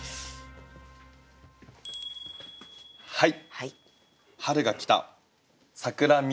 はい。